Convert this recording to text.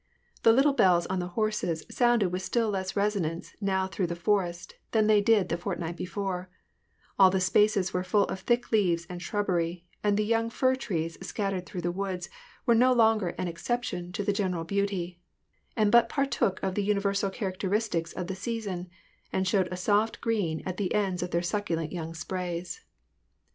The little bells on the horses sounded with still less resonance now through the forest than they did the fortnight before ; all the spaces were full of thick leaves and shrubbery ; and the young fir trees scattered through the woods were no longer an exception to the general beauty, and but partook of the universal characteristics of the season, and showed a soft green at the ends of their succulent young sprays.